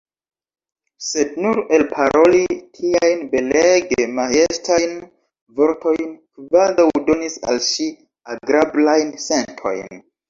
Sed nur elparoli tiajn belege majestajn vortojn kvazaŭ donis al ŝi agrablajn sentojn.